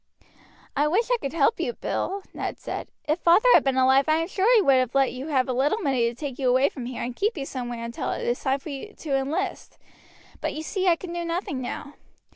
"I wish I could help you, Bill," Ned said: "if father had been alive I am sure he would have let you have a little money to take you away from here and keep you somewhere until it is time for you to enlist; but you see I can do nothing now."